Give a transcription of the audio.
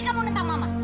kamu nentang mama